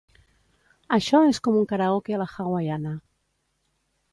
Això és com un karaoke a la hawaiiana.